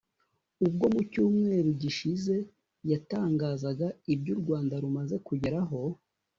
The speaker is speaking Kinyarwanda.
ubwo mu cyumweru gishize yatangazaga ibyo u Rwanda rumaze kugeraho